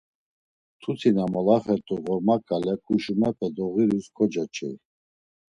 Mtuti na molaxert̆u ğorma ǩale ǩuşumepe doğirus kocoç̌ey.